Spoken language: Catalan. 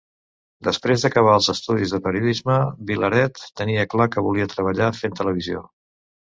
Després d'acabar els estudis de periodisme, Vilaret tenia clar que volia treballar fent televisió.